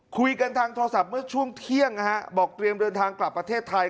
คุยกันทางโทรศัพท์เมื่อช่วงเที่ยงนะฮะบอกเตรียมเดินทางกลับประเทศไทย